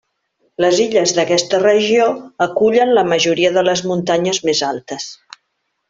Les illes d'aquesta regió acullen la majoria de les muntanyes més altes.